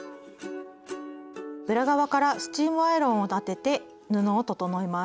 裏側からスチームアイロンを当てて布を整えます。